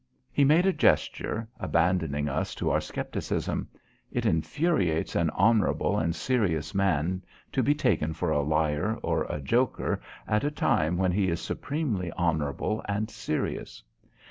He made a gesture, abandoning us to our scepticism. It infuriates an honourable and serious man to be taken for a liar or a joker at a time when he is supremely honourable and serious.